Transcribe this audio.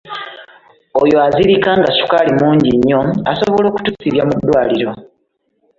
Oyo azirika nga sukaali mungi nnyo asobola okutuusibwa mu ddwaliro.